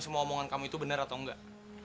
semua omongan kamu itu benar atau enggak